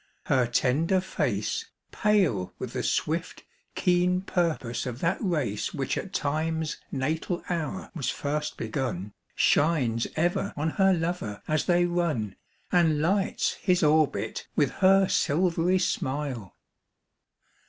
Her tender face, Pale with the swift, keen purpose of that race Which at Time's natal hour was first begun, Shines ever on her lover as they run And lights his orbit with her silvery smile.